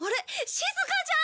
しずかちゃん！